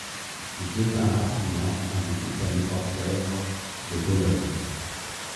Il devint rapidement un des plus fameux orfèvres de Bologne.